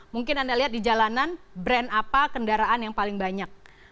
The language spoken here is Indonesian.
mungkin anda lihat di jalanan brand apa kendaraan yang paling banyak